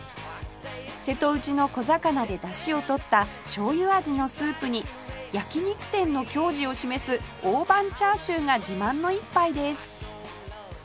瀬戸内の小魚でだしを取った醤油味のスープに焼肉店の矜持を示す大判チャーシューが自慢の一杯です